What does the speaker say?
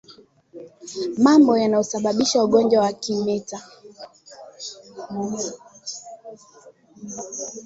Mambo yanayosababisha ugonjwa wa kimeta